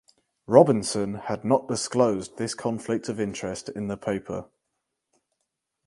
Robinson had not disclosed this conflict of interest in the paper.